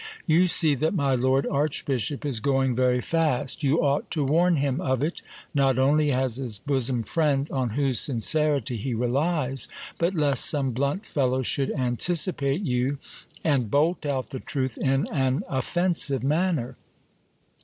You see that my lord archbishop is going very fast — you ought to warn him of it, not only as his bosom friend, on whose sincerity he relies, but lest some blunt fellow should anticipate you, and bolt out the truth in an offensive manner.